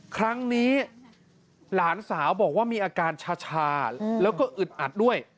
ครั้งนี้หลานสาวบอกว่ามีอาการชาแล้วก็อึดอัดด้วย